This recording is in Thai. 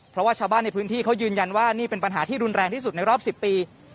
เพราะว่าชาวบ้านในพื้นที่เขายืนยันว่านี่เป็นปัญหาที่รุนแรงที่สุดในรอบ๑๐ปี